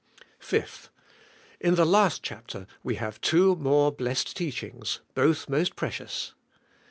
5. In the last chapter we have two more blessed teachings, both most precious.